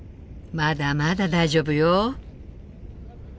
まだまだ大丈夫よ。